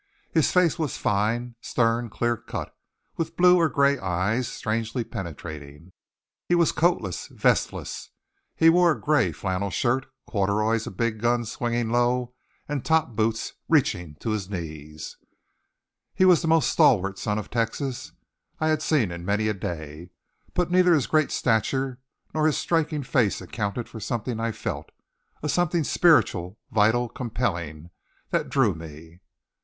His face was fine, stern, clear cut, with blue or gray eyes, strangely penetrating. He was coatless, vestless. He wore a gray flannel shirt, corduroys, a big gun swinging low, and top boots reaching to his knees. He was the most stalwart son of Texas I had seen in many a day, but neither his great stature nor his striking face accounted for something I felt a something spiritual, vital, compelling, that drew me. "Mr.